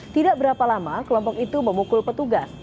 tidak berapa lama kelompok itu memukul petugas